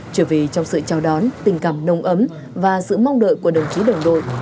trở về trong sự chào đón tình cảm nồng ấm và sự mong đợi của đồng chí đồng đội